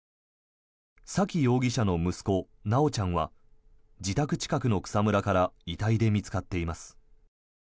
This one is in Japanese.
沙喜容疑者の息子、修ちゃんは自宅近くの草むらから遺体で見つかっています。